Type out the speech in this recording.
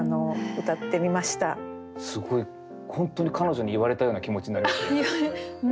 すごい本当に彼女に言われたような気持ちになりますね。